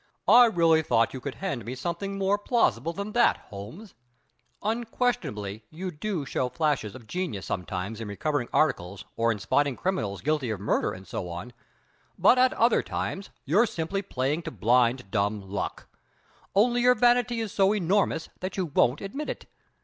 "I really thought you could hand me something more plausible than that, Holmes. Unquestionably you do show flashes of genius sometimes in recovering articles or in spotting criminals guilty of murder and so on, but at other times you're simply playing to blind, dumb luck, only your vanity is so enormous that you won't admit it.